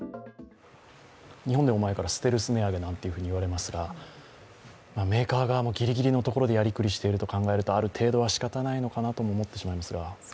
日本でも前からステルス値上げなんて言われますが、メーカー側もぎりぎりのところでやりくりしていると考えるとある程度は仕方ないのかなとも思ってしまいますが。